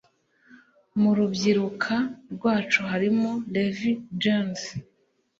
mu rubyiruka rwacu harimo levi jeans